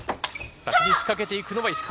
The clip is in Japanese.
先に仕掛けていくのは石川。